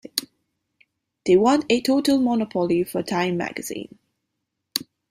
They want a total monopoly for Time magazine.